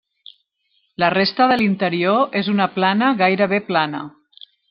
La resta de l'interior és una plana gairebé plana.